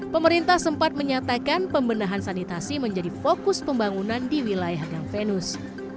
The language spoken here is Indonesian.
pemerintah sempat menyatakan pembenahan sanitasi menjadi fokus pembangunan di wilayah gang venus